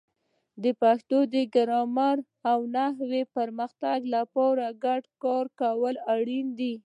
د پښتو د ګرامر او نحوې پرمختګ لپاره په ګډه کار کول اړین دي.